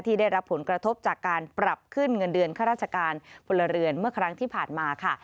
ได้รับผลกระทบจากการปรับขึ้นเงินเดือนข้าราชการพลเรือนเมื่อครั้งที่ผ่านมาค่ะ